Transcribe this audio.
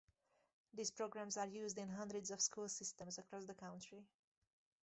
These programs are used in hundreds of school systems across the country.